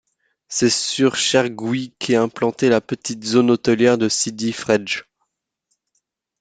C'est sur Chergui qu'est implantée la petite zone hôtelière de Sidi Fredj.